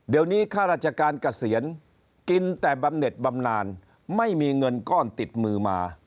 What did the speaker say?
เดี๋ยวนี้ข้าราชการเกษียณกินแต่บำเน็ตบำนานไม่มีเงินก้อนติดมือมา